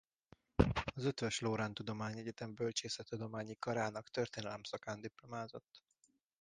Az Eötvös Loránd Tudományegyetem Bölcsészettudományi Karának történelem szakán diplomázott.